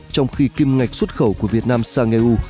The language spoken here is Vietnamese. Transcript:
trong khi kim ngạch xuất khẩu của việt nam sang eu